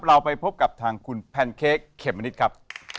เราไปพบกับทางคุณแพนเค้กเข็มมะนิดครับ